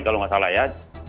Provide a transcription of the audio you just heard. kalau nggak salah ya